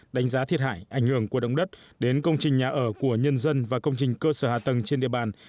đánh giá thiệt hại ảnh hưởng của động đất đến công trình nhà ở của nhân dân và công trình cơ sở hạ tầng trên địa bàn